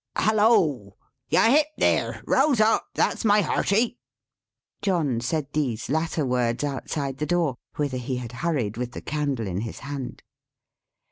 Halloa! Yahip there! rouse up! That's my hearty!" John said these latter words, outside the door, whither he had hurried with the candle in his hand.